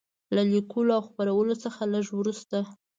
له لیکلو او خپرولو څخه لږ وروسته.